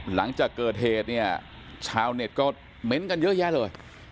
หลังจากเกิดเหตุเนี่ยชาวเน็ตก็เม้นต์กันเยอะแยะเลย